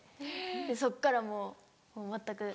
そっからもう全く。